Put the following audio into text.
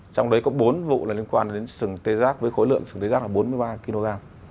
trong đấy có bốn vụ liên quan đến sừng tê giác với khối lượng sừng tê giác là bốn mươi ba kg